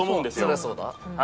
そりゃそうだ。